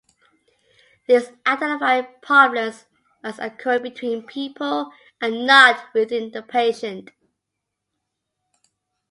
These identify problems as occurring "between" people and not "within" the patient.